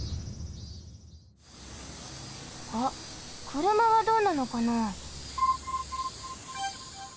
あっくるまはどうなのかな？